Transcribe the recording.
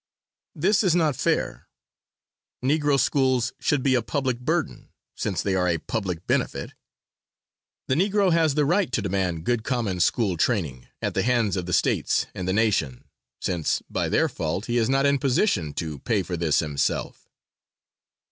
"This is not fair. Negro schools should be a public burden, since they are a public benefit. The Negro has a right to demand good common school training at the hands of the States and the Nation since by their fault he is not in position to pay for this himself."